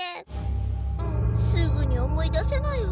すぐに思い出せないわ。